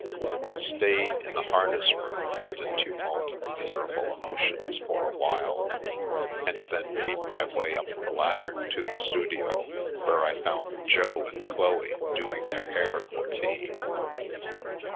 I stayed in the harness room and a tumult of miserable emotions for a while, and then made my way up the ladder to the studio, where I found Jo and Chloe doing their hair for tea.